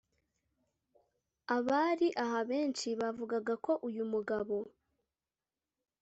Abari aha benshi bavugaga ko uyu mugabo